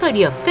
đã đi xe đẹp